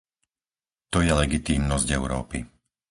To je legitímnosť Európy.